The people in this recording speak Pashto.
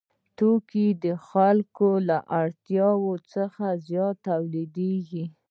توکي د خلکو له اړتیاوو څخه زیات تولیدېږي